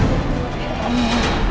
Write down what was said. masaknya udah selesai